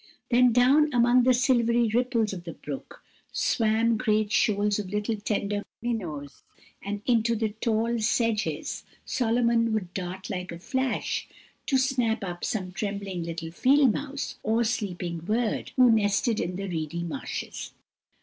Then down among the silvery ripples of the brook swam great shoals of little tender minnows, and into the tall sedges Solomon would dart like a flash, to snap up some trembling little field mouse, or sleeping bird, who nested in the reedy marshes.